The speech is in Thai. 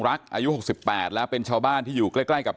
แล้วท่านผู้ชมครับบอกว่าตามความเชื่อขายใต้ตัวนะครับ